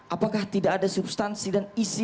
apakah tidak ada substansi dan isi